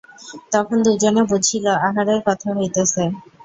তখন দুজনে বুঝিল, আহারের কথা হইতেছে।